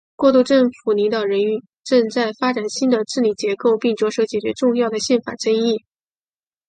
过渡政府领导人正在发展新的治理结构并着手解决重要的宪法争议。